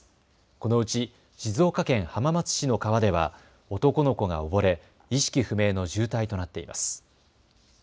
このうち静岡県浜松市の川では男の子が溺れ意識不明の重体となっています。